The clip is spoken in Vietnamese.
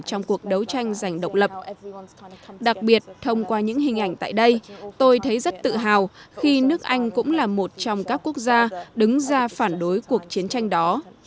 trong cuộc đấu tranh giành độc lập thông qua những hình ảnh tại đây tôi thấy rất tự hào khi nước anh cũng là một trong các quốc gia đứng ra phản đối cuộc chiến tranh đó